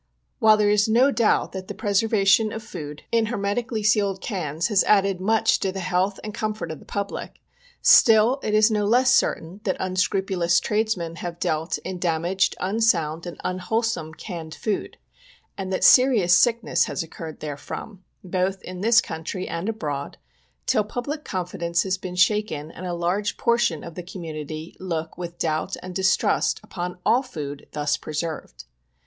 While there is no doubt that the preservation of food in Read before the Medico Legal Society, of New York, April 9th, 1884. 54 POISONING BY CANNED GOODS. hermetically sealed cans has added much to the health and comfort of the public, still it is no less certain that unscru pulous tradesmen have dealt in damaged, unsound and unwholesome canned food, and that serious sickness has occurred therefrom, both in this country and abroad, till public confidence has been shaken, and a large portion of the community look with doubt and distrust upon all food thus preserved.